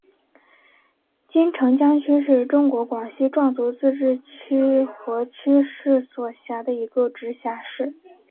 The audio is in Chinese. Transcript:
金城江区是中国广西壮族自治区河池市所辖的一个市辖区。